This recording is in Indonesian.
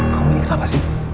kau ini kenapa sih